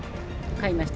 買いました。